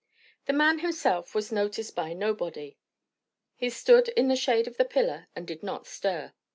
The man himself was noticed by nobody. He stood in the shade of the pillar and did not stir.